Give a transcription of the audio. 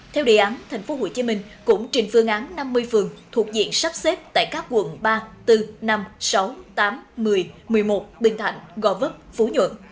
theo đề án tp hcm cũng trình phương án năm mươi phường thuộc diện sắp xếp tại các quận ba bốn năm sáu tám một mươi một mươi một bình thạnh gò vấp phú nhuận